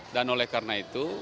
dan oleh karena itu